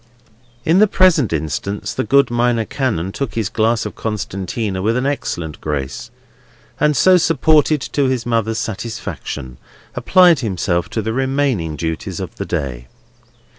In the present instance the good Minor Canon took his glass of Constantia with an excellent grace, and, so supported to his mother's satisfaction, applied himself to the remaining duties of the day.